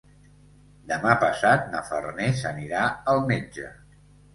Demà passat na Farners anirà al metge.